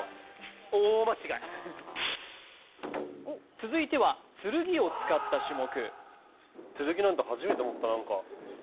続いては、剣を使った種目。